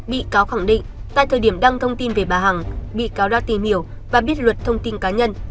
bị cáo khẳng định tại thời điểm đăng thông tin về bà hằng bị cáo đã tìm hiểu và biết luật thông tin cá nhân